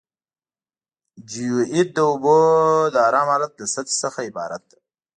جیوئید د اوبو د ارام حالت له سطحې څخه عبارت ده